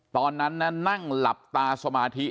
ตอนนั้นนั่งหลับตาสมาธิ